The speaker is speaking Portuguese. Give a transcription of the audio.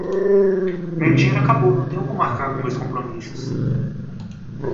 Meu dinheiro acabou, não tenho como arcar com meus compromissos.